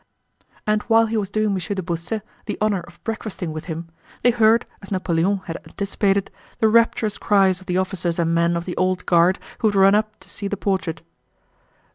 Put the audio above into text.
And while he was doing M. de Beausset the honor of breakfasting with him, they heard, as Napoleon had anticipated, the rapturous cries of the officers and men of the Old Guard who had run up to see the portrait.